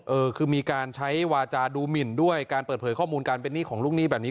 เออคือมีการใช้วาจาดูหมินด้วยการเปิดเผยข้อมูลการเป็นหนี้ของลูกหนี้แบบนี้